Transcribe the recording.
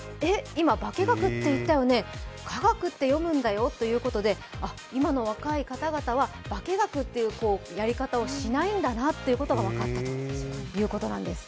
今、ばけがくって言ったよね、かがくって読むんだよということで、今の若い方々は「ばけがく」というやり方をしないんだなということが分かったんです。